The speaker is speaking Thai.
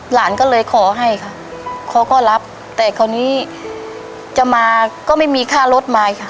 หลานก็เลยขอให้ค่ะเขาก็รับแต่คราวนี้จะมาก็ไม่มีค่ารถมาอีกค่ะ